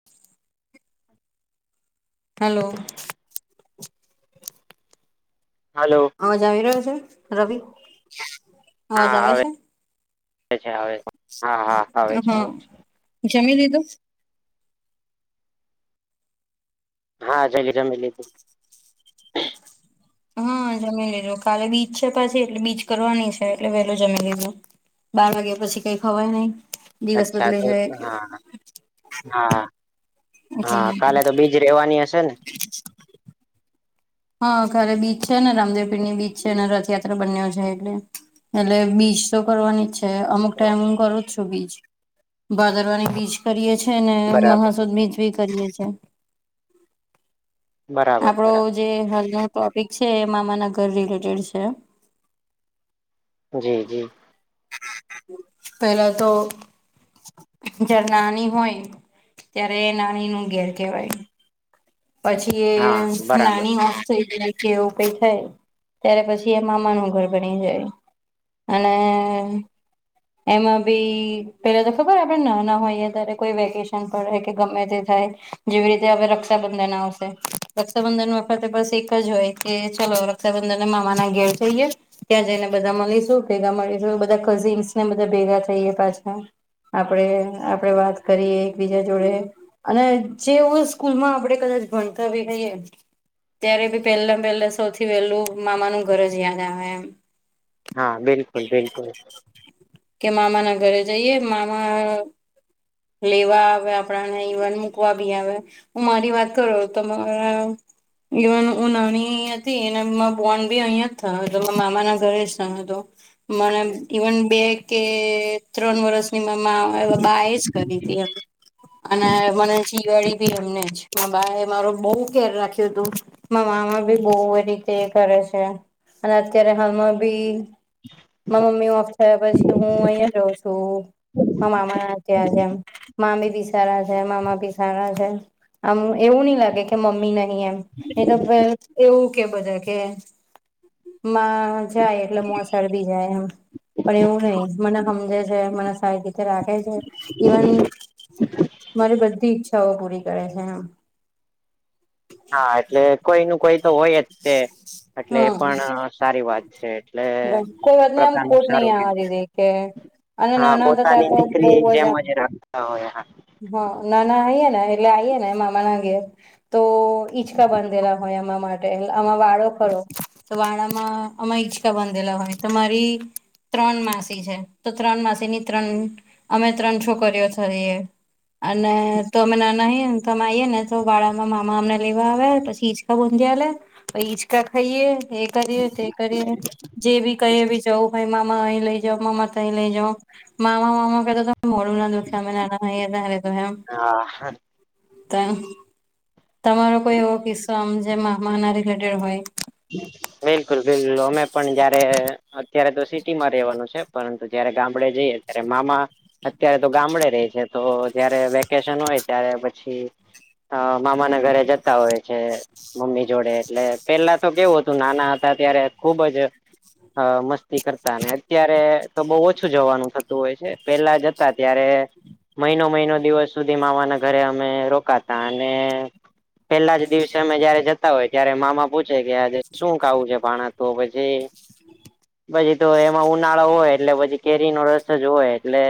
[inaudible] Hello! Hello! અવાજ આવી રહ્યો છે? રવિ, અવાજ હા આવે છે? આવે છે, આવે છે, હા હા આવે છે, હા આવે છે. જમી લીધું? હા, જયલી જમી લીધું હ, જમી લીધુ કાલે બીજ છે પાછી, એટલે બીજ કરવાની છે, એટલે વેલુ જમી લીધું બાર વાગ્યા પછી કઈ ખવાય નઇ દિવસ બદલાય જાય એટલે હા-હા, કાલે તો બીજ રેવાની હશે ને? હા, કાલે બીજ છે ને, રામદેવપીરની બીજ છે, અને રથયાત્રા બંનેવ છે એટલે એટલે બીસ તો કરવાની છે. એ અમુક ટાઈમ કરુ છુ, બીજ ભાદરવાની બીજ કરીએ છે ને બરાબર મહા સુદ ની બીજ ભી કરીએ છે બરાબર આપડો બરાબર જે હાલનો ટોપિક છે, એ મામાના ઘર રિલેટેડ છે. જી! જી! પેલા તો, જ્યાર નાની હોય, ત્યારે એ નાની નું ઘેર કેવાય. પછી, હા એ બરાબર નાની ઓફ થઈ જાય એવું કઈ થાય, ત્યારે પછી એ મામાનું ઘર બની જાય અને અ માં બી પેલા તો ખબર આપડે નાના હોઈએ ત્યારે કોઈ વેકેશન પડે કે ગમે તે થાય જેવી રીતે હવે રક્ષા રક્ષાબંધન આવશે, રક્ષાબંધન વખતે બસ એક જ હોય કે, ચલો રક્ષાબંધન તો મામાના ઘેર જઈએ ત્યાં જઈને બધા મલીશું, ભેગા મળીશું, બધા કઝિન્સ ને બધા ભેગા થઈએ પાછા આપડે- આપડે વાત કરીએ એકબીજા જોડે અને જેવું સ્કૂલમાં આપણે તે કદાચ ભણતોભી નહીં હોય ત્યારે બી, પેલા પેલા સૌથી વેલું મામાનું ઘર જ યાદ આવે, એમ. હા, બિલકુલ, બિલકુલ કે, મામા ના ઘરે જઈએ, મામા અ લેવા આવે આપણાને ઇવન મૂકવા બી આવે હું મારી વાત કરો તમારા ઈવન હું નાની હતી અને મા બોન બી અહં જ થયો તો મામા ના ઘરે જ થયો હતો મને ઈવન બે કે ત્રણ વરષ એ મમા બા એ જ કરી હતી એમ અને મને જીવાડી બી એમને જ મા બા એ મારો બહુ કેર રાખ્યું તું મા મામા ભી બઉ બધી કેર કરે છે અને અત્યારે હાલમાં બી મારી મમ્મી ઓફ થયા પછી હું અહિયાં જ રહું છું મારા મામા ના ત્યાં જ એમ મામી બી સારા છે મામા બી સારા છે આમ એવું નહી લાગે કે મમ્મી નહી એમ નહીં એ તો એવું કે બધા કે માં જાય એટલે મોસળ બી જાય એમ પણ એવું નહી મને સમજે છે મને સારી રીતે રાખે છે ઈવન મારી બધી ઈચ્છાઓ પૂરી કરે છે આમ હા એટલે કોઈ ન કોઈ તો હોય જ છે એટલે એ હમ પણ સારી વાત છે એટલે કોઈ એક વાતની આમ પ્રકારનું ખોટ નહી સારું આવવા કેવાય દીધી કે અને હા નાના હતા ત્યાર પોતાની તો દીકરી બહુ જેમ આમ જ રાખતા હોય હા હા ના ના હોઈએે ને એટલે આઈ એે ને મામા ના ઘેર તો ઈચકા બાંધેલા હોય આમાં માટે આમાં વાળો ખરો તો વાણામાં અમાં ઈચકા બાંધેલા હોય, તમારી. ત્રણ માસી છે, તો ત્રણ માસી ની ત્રણ, અમે ત્રણ છોક્યો છઈએ. અને તોમે ના ના [unintelligible] આવીએ ને, તો બાળામાં મામા અમને લેવા આવે, પછી ઈચકા ગુંજિયા લે. પ ઈચકા ખાઈએ, એ કરીએ તે, કરીએ જે ભી કે. જઉ, ભાઈ મામા અહી લઈ જાવ, મામા તહી લઈ જાય, મામા-મામા ક મોડું ના દુખ્યા, અમે નાના હોયારે તો એમ. હા. તાન તમારો કોઈ એવો કિસ્સો આમ જે મહમા ના રિલેટેડ હોય. બિલકુલ બિલ્લ અમે પણ જયારે અત્યારે તો સિટી માં રેવાનું છે પરંતુ જયારે ગામડે જઈએ ત્યારે મામા અત્યારે તો ગામડે રેહ છે તો જયારે વેકેશન હોય ત્યારે પછી હ મામા ના ઘરે જતા હોય છે મમ્મી જોડે એટલે પેલા તો કેવું હતું નાના હતા ત્યારે ખુબ જ અ મસ્તી કરતા ને અત્યારે તો બહુ ઓછું જવાનું થતું હોય છે પેલા જતા ત્યારે મહિનો મહિનો દિવસ સુધી માવાના ઘરે અમે રોકાતા અને પેલા જ દિવસે અમે જયારે જતા હોય ત્યારે મામા પૂછ છે કે આજે શું ખાવું છે ભાણા તો પછી પછી તો એમાં ઉનાળો હોય એટલે પછી કેરીનો રસ જ હોય એટલે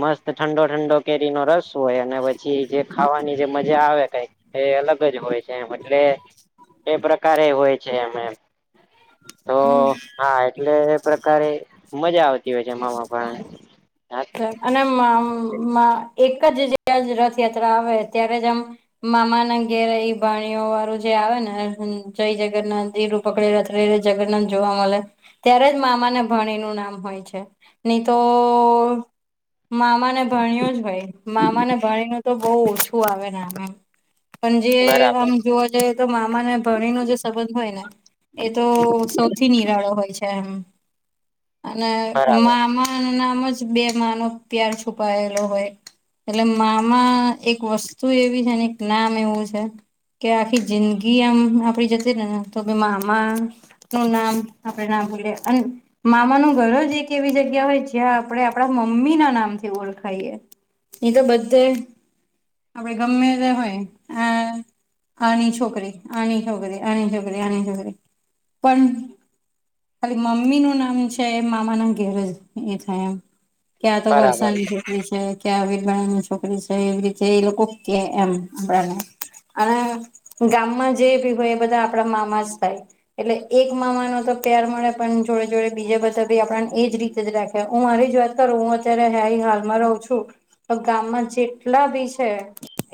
મસ્ત ઠંડો ઠંડો કેરી નો રસ હોય અને પછી જે ખાવાની જે મજા આવે કઈક એ અલગ જ હોય છે એમ એટલે એ પ્રકાર એ હોય છે એમ એમ તો હમ હા એટલે પ્રકારે મજા આવતી હોય છે એમામાં ભાણેજ પણ હ અને મામમાં એક જ [unintelligible] રથયાત્રા આવે ત્યારે જ આમ મામા ના ઘેરે ઈ ભાણીઓ વારું જે આવે ને જય જગન્નાથ એરૂ પકડી રથરે જગન્નાથ જોવા મલે ત્યારે જ મામાને ભાણીનું નામ હોય છે. નહી તો મામાને ભાણ્યું જ હોય મામાને પાણી ન તો બહુ ઓછું આવે ને આમ એમ પણ જે બરાબર આમ જોવા જઈએ તો મામાને ભાણી નો જે સંબંધ હોય ને એ તો સૌથી નિરાળો હોય છે એમ અને બરાબર મામા એના નામ જ બે માનો પ્યાર છુપાયેલો હોય. એટલે મામા એક વસ્તુ એવી છે ને એક નામ એવું છે. કે આખી જિંદગી આમ આપડી જતી રેને તો બી મામા નું નામ આપણે ના ભુલીએ અન મામાનું ઘર જ એક એવી જગ્યા હોય જ્યાં આપડે આપડા મમ્મી ના નામથી ઓળખાઈએ. ઈ તો બધે આપડે ગમ્મે તે હોય આ આની છોકરી આની છોકરી આની છોકરી આની છોકરી પન ખાલી મમ્મી નું નામ છે એ મામા ના ઘેર જ એ થાય એમ કે આ તો બરાબર વરસાની છે. રી છે કે આ વિરબાઈની છોકરી છે એવી રીતે એ લોકો કે એમ આપડા ને. અને ગામમાં જે ભી ભઈ એ બધા આપડા મામા જ થાય. એટલે એક મામા નો તો પ્યાર મળે પન જોડે જોડે બીજે બધા ભી આપન એજ રીતે જ રાખ્યા હું મારી જ વાત કરું હું અત્યારે હેઇ હાલમાં રહું છું. તો ગામમાં જેટલા ભી છે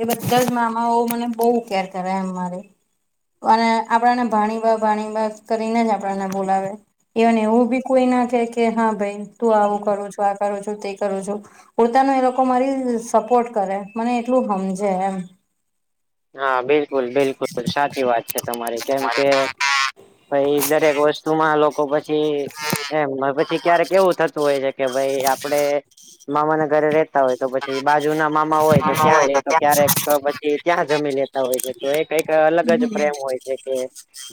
એ બધા જ મામાઓ મને બઉ કેર કરે એમ મારે. અને આપણાને ભાણી બા ભાણી બા કરીને જ આપ તોય ના બોલાવે ઈવન એવું બી કોઈ ના કેય કે હા ભઈ તું આવું કરો છો આ કરું છું તે કરું છું પોતાનો એ લોકો મારી સપોર્ટ કરે મને એટલું હમઝે એમ. હા બિલકુલ બિલકુલ સાચી વાત છે તમારી કેમ કે પઈ દરેક વસ્તુમાં લોકો પછી એમ મ પછી ક્યારેક એવું થતું હોય છે કે ભઈ આપડે મામા ના ઘરે રેતા હોય તો પછી બાજુ ના મામા હોય તો ત્યાં જય તો ક્યારેક ક પ એ ત્યાં જમી લેતા હોય છે તો એ કઈક અલગ જ પ્રેમ હોય. એ કે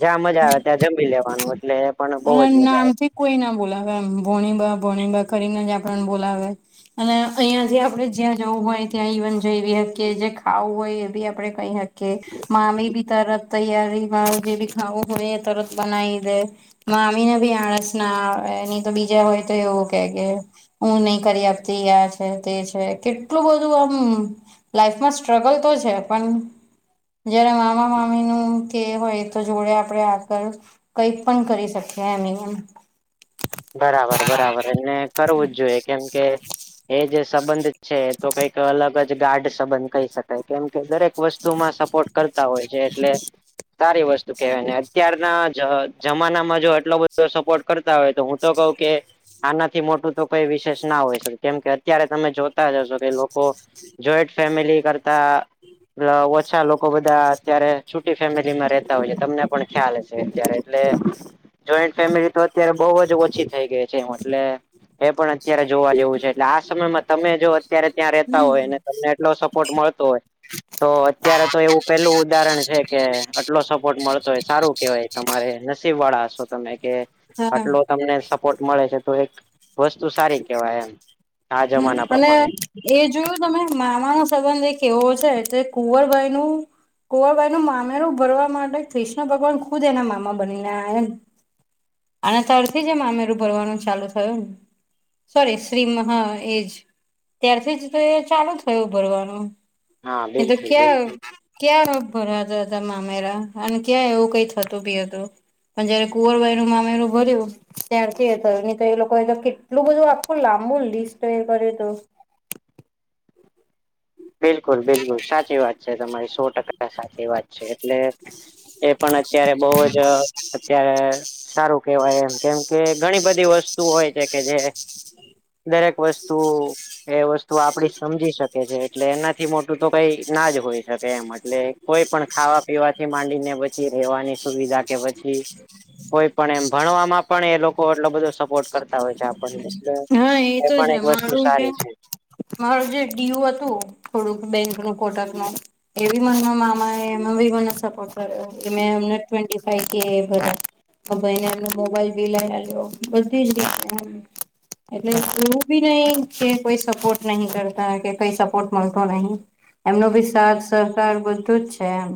જ્યાં મઝા આવે ત્યાં જમી લેવાનું એટલે પણ બહુ અને જ મજા આવે નામ થી કોઈ ના બોલાવે એમ ભોણી બા ભોણી બા કરીને જ આપણને બોલાવે અને અહીયાં થી આપડે જ્યાં જવું હોય ત્યાં ઇવન જઈવી હકિયે જે ખાવું હોય એ બી આપડે કઈ હક કે મામી બી તરત તૈયારી મા જે ભી ખાવું હોય એ તરત બનાઈ દે મામીને ભી આળસ ના આવે ની તો બીજા હોય તો એવું કેય કે હું નહી કરી આપતી યાર છે તે છે કેટલું બધું આમ લાઈફમાં સ્ટ્રગલ તો છે પન જયારે મામા મામીનું કે હોય તો જોડે આપડે આગળ કઈક પણ કરી શકીએ એમ ઇએમ બરાબર બરાબર એને કરવું જ જોઈએ કેમ કે એ જે સંબંધ છે તો કઈક અલગ જ ગાઢ સંબંધ કહી શકાય કેમ કે દરેક વસ્તુમાં સપોર્ટ કરતા હોય છે એટલે સારી વસ્તુ કેવાય ને અત્યારના જ જમાનામાં જો આટલો બધો સપોર્ટ કરતા હોય તો હુંત તો કઉ કે આનાથી મોટું તો કોઈ વિશેષ ના હોય શકે કેમ કે અત્યારે તમે જોતા જ હશો કે લોકો જોઈટ ફેમિલી કરતા પલા ઓછા લોકો બધા અત્યારે છુટી ફેમિલીમાં રેતા હોયએ તમને પણ ખ્યાલ હશે અત્યારે એટલે જોઈન્ટ ફેમિલી તો અત્યારે બઉ જ ઓછ ઓછી થઈ ગઈ છે એમ એટલે એ પણ અત્યારે જોવા જેવું છે એટલે આ સમયમાં તમે જો અત્યારે ત્યાં રહેતા હમ હોય અને તમને એટલો સપોર્ટ મળતો હોય તો અત્યારે તો એવું પેલું ઉદાહરણ છે કે આટલો સપોર્ટ મળતો હોય સારું કેવાય તમારે નસીબ વાળા હશો તમે કે હા આટલો તમને સપોર્ટ મળે છે તો એક વસ્તુ સારી કેવાય એમ આ હમ જમાના અને પ્રમાણે એ જોયું તમે મામા ના સંબંધ એક એવો છે જે કુંવરબાઈ નું કોવાબાઈ નું મામેરું ભરવા માટે ક્રિષ્ન ભગવાન ખુદ એના મામા બનીને આયાને અને તરથી જ એ મામેરું ભરવાનું ચાલુ થયું ને સોરી શ્રીમ હા એજ ત્યારથી જ તો એ ચાલુ થયું ભરવાનું હા બિલકુલ બિલકુલ [unintelligible] ક્યાં રોગ ભરાતો હતો તમામેરા અને ક્યાં એવું કઈ થતું બી હતું હું જયારે કુંવરબાયનું મામેરું ભર્યું ત્યારથી એ થયું નહી તો એ લોકો તો કેટલું બધું આખું લાંબુને લિસ્ટ એ કર્યુંતુ. બિલકુલ બિલકુલ સાચી વાત છે. તમારી સો ટકા સાચી વાત છે. એટલે એ પણ અત્યારે બહુ જ અત્યારે સારું કેવાય એમ કેમ કે ઘણી બધી વસ્તુ હોય છે કે જે દરેક વસ્તુ એ વસ્તુ આપડી સમજી શકે છે એટલે એનાથી મોટું તો કઈ ના જ હોય શકે એમ અટલે કોઈ પણ ખાવા પીવાથી માંડીને પછી લેવાની સુવિધા કે પછી કોઈપણ એમ ભણવામાં પણ એ લોકો એટલો બધો સપોર્ટ કરતાં હોય છે. આપણને એટલે હા એ તો પણ છે એક વસ્તુ મારું જે સારી છે. મારું જે ડીયુ હતું થોડુંક બેંકનું કોટકમાં એવી મ મામા એ એમાં બી મને સપોર્ટ કર્યો કે મે ટ્વેન્ટી કે બધી હ ભાઈને એમને મોબાઈલ બી લઈ આલ્યો બધી જ હમ્મ એટલે એવું બી નહી કે કોઈ સપોર્ટ નહી કરતા કે કઈ સપોર્ટ મળતો નહી. એમનો ભી સાથ સહકાર બધું જ છે એમ.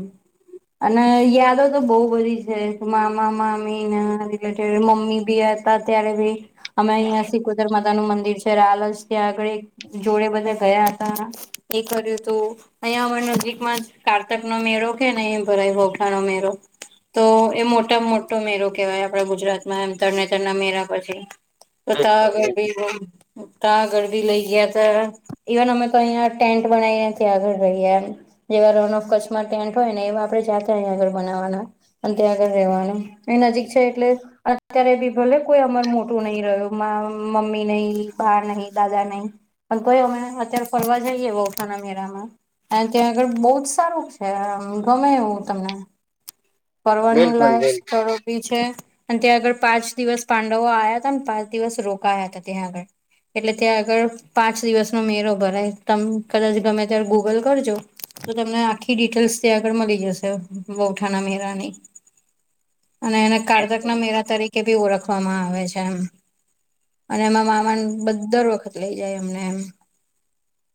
અને યાદો તો બવ‌ બધી છે. મામા મામીને રિલેટેડ મમ્મી બી અત્યારે બી અમે અહીં સિકોતેરમાતાનું મંદિર છે રાલજ ત્યાં આગળ એક જોડે બધા ગયા હતા. એ કર્યું હતું. અહીંયા અમા નજીકમાં જ કારતકનો મેળો કે ને એ ભરાય [unintelligible] નો મેળો તો એ મોટામાં મોટો મેરો કેહેવાય આપડા ગુજરાતમાં એમ તરણેતરના મેરા પછી તો બિલકુલ તાઆગળ બિલકુલ બી એમ તાઆગળ લઈ ગ્યાતા. ઇવન અમે તો અહીંયા ટેન્ટ બનાવી એનથી આગળ રહીએ એમ. જેવા રણ ઓફ કચ્છમાં ટેન્ટ હોયને એવા આપણેે જાતે અહીયા આગળ બનાવવાના. અને ત્યાં આગળ રેવાનું અન નજીક છે એટલે અત્યારે બી ભલે કોઈ અમર મોટ કોઈ નહી રહ્યું. મમ્મી નહી. બા નહી. દાદા નહી. પણ તોય અમે અત્યારે ફરવા જઈએ [unintelligible] ના મેળામાં અને ત્યાં આગળ બહુ જ સારું છે. એમ‌ ગમે એવું તમને ફરવાનું બિલકુલ લાયક બિલકુલ સ્થળ બી છે અને ત્યાં આગળ પાંચ દિવસ પાંડવો આયા તમ પાંચ દિવસ રોકાયા હતા ત્યાં આગળ એટલે ત્યાં આગળ પાંચ દિવસનો મેરો ભરાય તમ કદાચ ગમે ત્યારે ગૂગલ કરજો તો તમને આખી ડિટેલ્સ ત્યાં આગળ મલી જશે વૌઠાના મેરાની અને એને કારતકના મેરા તરીકે ભી ઓળખવામાં આવે છે એમ અને એમાં મામાન બ દર વખત લઇ જાય અમને એમ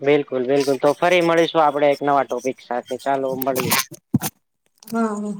બિલકુલ બિલકુલ તો ફરી મળીશું આપડે એક નવા ટોપિક સાથે. ચાલો મળીએ. હા હા